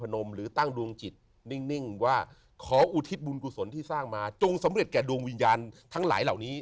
นมหรือตั้งดวงจิตนิ่งว่าขออุทิศบุญกุศลที่สร้างมาจงสำเร็จแก่ดวงวิญญาณทั้งหลายเหล่านี้